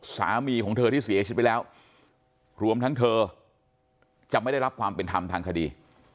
สามีของเธอที่เสียชีวิตไปแล้วรวมทั้งเธอจะไม่ได้รับความเป็นธรรมทางคดี